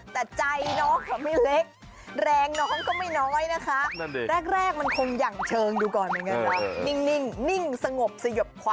แต่ใจน้องเขาไม่เล็กแรงน้องก็ไม่น้อยนะคะ